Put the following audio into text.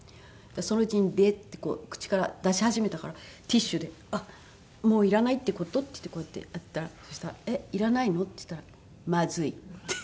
そのうちにベッ！ってこう口から出し始めたからティッシュで「あっもういらないって事？」って言ってこうやってやったらそしたら「えっいらないの？」って言ったら「まずい」って。